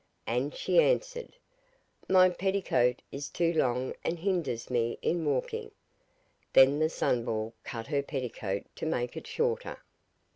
And she answered: 'My petticoat is too long and hinders me in walking.' Then the Sunball cut her petticoat to make it shorter.